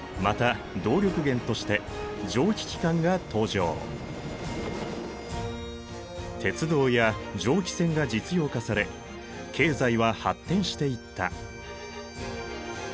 また鉄道や蒸気船が実用化され経済は発展していった。